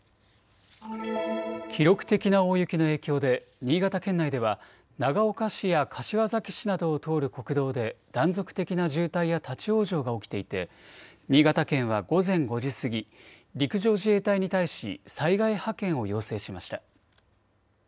記録的な大雪の影響で新潟県内では長岡市や柏崎市などを通る国道で断続的な渋滞や立往生が起きていて新潟県は午前５時過ぎ、陸上自衛隊に対し災害派遣を要請しました。